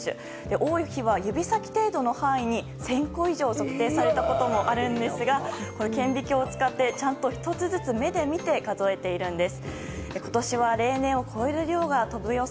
多い日は指先程度の範囲に１０００個以上測定されたこともあるんですが顕微鏡を使ってちゃんと１つずつ目で見て数えているんです。